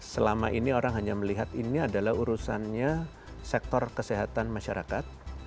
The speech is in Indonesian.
selama ini orang hanya melihat ini adalah urusannya sektor kesehatan masyarakat